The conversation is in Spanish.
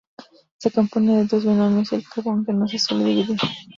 Se compone de dos binomios y el Cabo, aunque no se suele dividir.